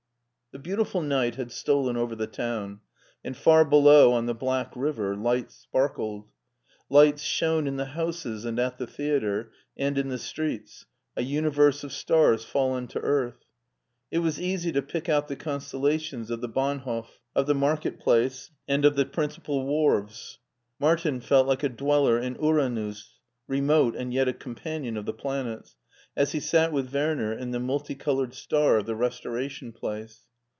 The beautiful night had stolen over the town, and far below on the black river lights sparkled. Lights shone in the houses and at the theater and in the streets, a universe of stars fallen to earth. It was easy to pick out the constellations of the Bahnhof , of the market place, and of the principal wharves. Mar tin felt like a dweller in Uranus, remote and yet a companion of the planets, as he sat with Werner in the multicolored star of the Restoraticm place.